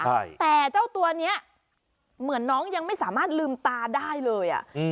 ใช่แต่เจ้าตัวเนี้ยเหมือนน้องยังไม่สามารถลืมตาได้เลยอ่ะอืม